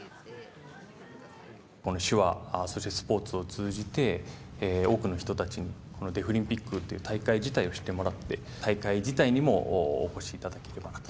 この手話、そしてスポーツを通じて、多くの人たちに、このデフリンピックという大会自体を知ってもらって、大会自体にもお越しいただければなと。